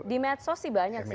di medsos sih banyak sih